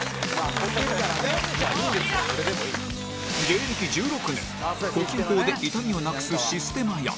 芸歴１６年呼吸法で痛みをなくすシステマや